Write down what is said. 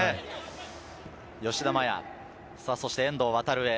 吉田麻也、そして遠藤航へ。